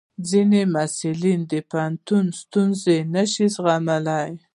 ځینې محصلین د پوهنتون ستونزې نشي زغملی.